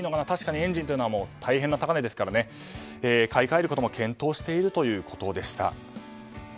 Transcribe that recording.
確かにエンジンというのは大変な高値ですから買い替えることも検討しているということでした。